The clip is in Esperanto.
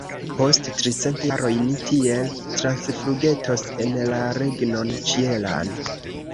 Post tricent jaroj ni tiel transflugetos en la regnon ĉielan!